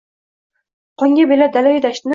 Qonga belab dalayu dashtni